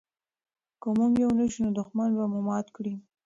که موږ یو نه شو نو دښمن به مو مات کړي.